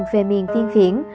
về miền tiên viễn